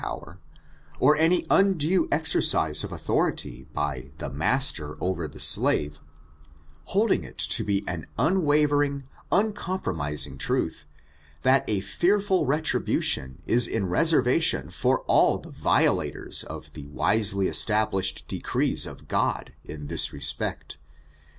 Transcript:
jn powert or my undiid eneroue of authoriQf, by tbe mastar over the elave ^ holidiiig it to be an uawaveriag, uncoia \ promisiiig tmtbi that a fearful retribution is in retenration for all te violatoca of the wiaelj established decrees of Oodt in this respect.